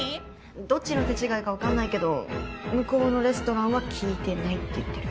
どっちの手違いかわかんないけど向こうのレストランは聞いてないって言ってる。